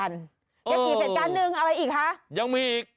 อย่างกี่เศรษฐการณ์หนึ่งอะไรอีกฮะยังมีอีก